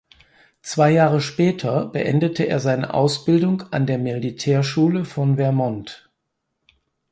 Zwei Jahre später beendete er seine Ausbildung an der Militärschule von Vermont.